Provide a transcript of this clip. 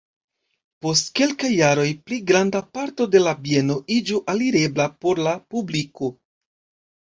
Post kelkaj jaroj pli granda parto de la bieno iĝu alirebla por la publiko.